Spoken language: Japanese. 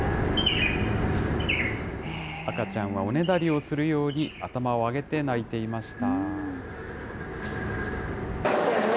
赤ちゃんはおねだりをするように、頭を上げて鳴いていました。